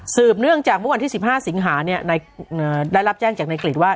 สืบเรื่องจากวันที่๑๕สิงหาเนี่ยได้รับแจ้งจากในกริตว่า